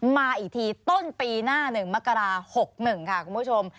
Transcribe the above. มาอีกทีต้นปีหน้า๑มกรา๖๑ค่ะคุณผู้ชม